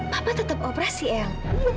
papa tetap operasi el